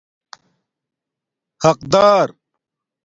حَق دار